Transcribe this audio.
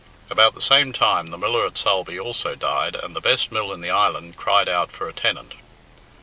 About the same time the miller at Sulby also died, and the best mill in the island cried out for a tenant.